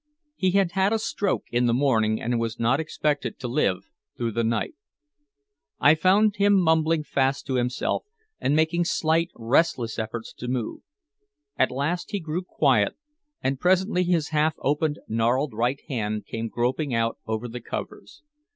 He had had a stroke in the morning and was not expected to live through the night. I found him mumbling fast to himself and making slight, restless efforts to move. At last he grew quiet, and presently his half open gnarled right hand came groping out over the covers.